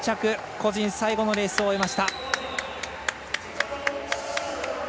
個人最後のレースを終えました。